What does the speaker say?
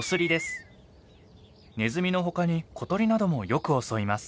ネズミの他に小鳥などもよく襲います。